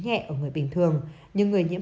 nhẹ ở người bình thường nhưng người nhiễm